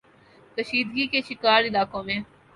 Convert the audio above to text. کشیدگی کے شکار علاقوں میں